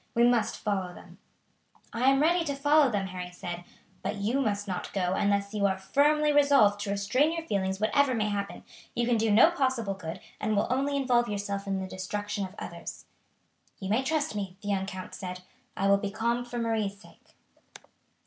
We must follow them." "I am ready to follow them," Harry said; "but you must not go unless you are firmly resolved to restrain your feelings whatever may happen. You can do no possible good, and will only involve yourself in the destruction of others." "You may trust me," the young count said; "I will be calm for Marie's sake."